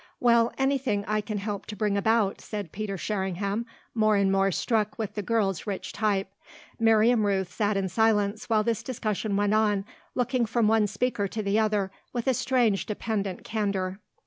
"Well, anything I can help to bring about," said Peter Sherringham, more and more struck with the girl's rich type. Miriam Rooth sat in silence while this discussion went on, looking from one speaker to the other with a strange dependent candour.